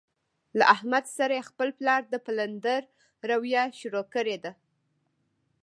له احمد سره یې خپل پلار د پلندر رویه شروع کړې ده.